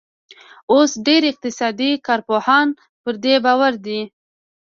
اوس ډېر اقتصادي کارپوهان پر دې باور دي.